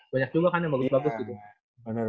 banyak juga kan yang bagus bagus gitu